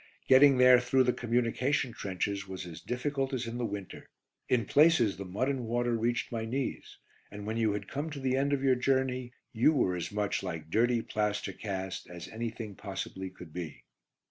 Getting there through the communication trenches was as difficult as in the winter. In places the mud and water reached my knees, and when you had come to the end of your journey you were as much like dirty plaster cast as anything possibly could be.